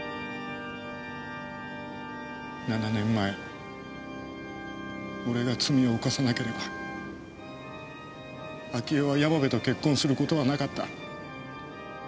７年前俺が罪を犯さなければ明恵は山辺と結婚する事はなかった。